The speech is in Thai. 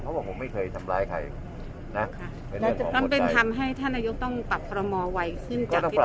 เพราะผมไม่เคยทำร้ายใคร